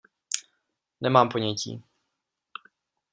Nemám ponětí.